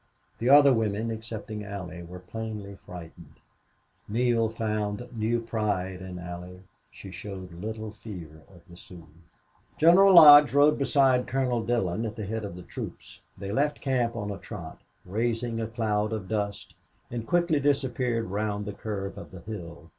The other women, excepting Allie, were plainly frightened. Neale found new pride in Allie. She showed little fear of the Sioux. General Lodge rode beside Colonel Dillon at the head of the troops. They left camp on a trot, raising a cloud of dust, and quickly disappeared round the curve of the hill.